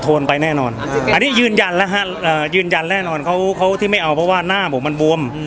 ไปแน่นอนอันนี้ยืนยันแล้วฮะยืนยันแน่นอนเขาที่ไม่เอาเพราะว่าหน้าผมมันบวม